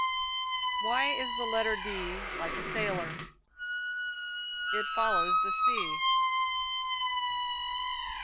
Why is the letter D like a sailor? It follows the sea (C).